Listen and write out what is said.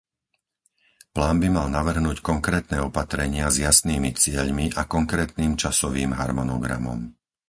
Plán by mal navrhnúť konkrétne opatrenia s jasnými cieľmi a konkrétnym časovým harmonogramom.